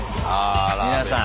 皆さん。